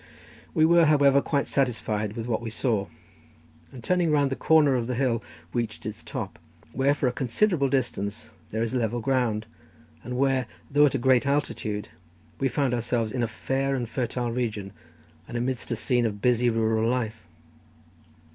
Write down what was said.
We were, however, quite satisfied with what we saw, and turning round the corner of the hill, reached its top, where for a considerable distance there is level ground, and where, though at a great altitude, we found ourselves in a fair and fertile region, and amidst a scene of busy rural life.